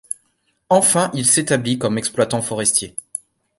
Enfin il s'établit comme exploitant forestier.